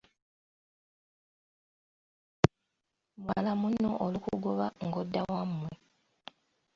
Muwala munno olukugoba ng’odda wammwe.